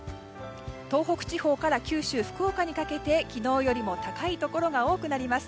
東北地方から九州、福岡にかけて昨日よりも高いところが多くなります。